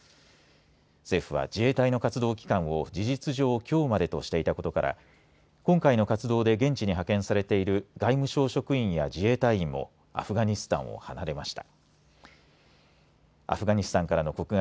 政府は自衛隊の活動期間を事実上きょうまでとしていたことから、今回の活動で現地に派遣されている外務省職員や自衛隊員もアフガニスタンを離れました。